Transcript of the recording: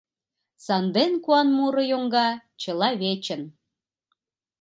Санден куан муро йоҥга чыла вечын.